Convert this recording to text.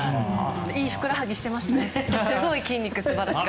いいふくらはぎしてましたね。